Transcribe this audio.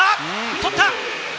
取った！